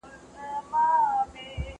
رېدي د خپل ژوند تر ټولو سخته پرېکړه وکړه.